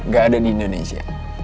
gak ada di indonesia